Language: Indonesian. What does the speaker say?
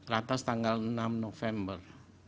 ratas tanggal enam november